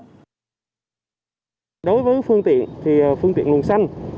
đối với phương tiện thì phương tiện nguồn xanh